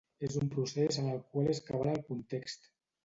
És un procés en el qual és cabal el context.